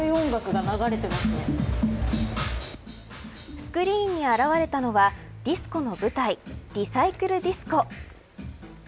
スクリーンに現れたのはディスコの舞台リサイクルＤＩＳＣＯ。